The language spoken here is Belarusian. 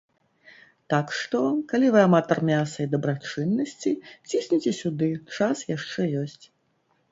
Так што, калі вы аматар мяса і дабрачыннасці, цісніце сюды, час яшчэ ёсць.